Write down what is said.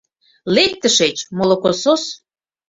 — Лек тышеч, молокосос!